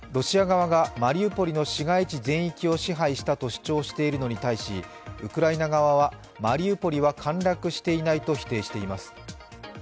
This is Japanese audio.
ロシア側がマリウポリの市街地全域を支配したと主張していますがシュミハリ首相はウクライナ側はマリウポリは陥落しないと否定しています。